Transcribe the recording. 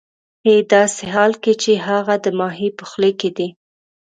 ه داسې حال کې چې هغه د ماهي په خوله کې دی